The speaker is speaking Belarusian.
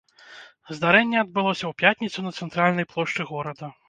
Здарэнне адбылося ў пятніцу на цэнтральнай плошчы горада.